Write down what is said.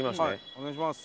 お願いします。